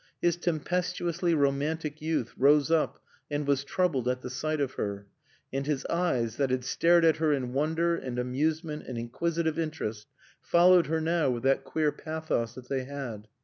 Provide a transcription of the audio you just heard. His tempestuously romantic youth rose up and was troubled at the sight of her. And his eyes, that had stared at her in wonder and amusement and inquisitive interest, followed her now with that queer pathos that they had.